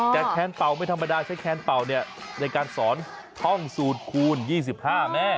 แต่แคนเป่าไม่ธรรมดาใช้แคนเป่าเนี่ยในการสอนท่องสูตรคูณ๒๕แม่